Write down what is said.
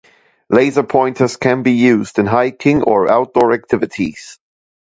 Laser pointers can be used in hiking or outdoor activities.